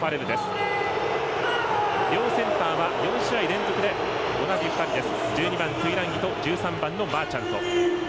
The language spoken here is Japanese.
両センターは４試合連続で同じ２人です。